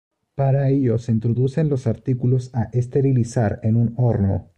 Para ello se introducen los artículos a esterilizar en un horno.